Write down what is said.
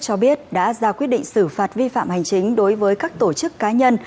cho biết đã ra quyết định xử phạt vi phạm hành chính đối với các tổ chức cá nhân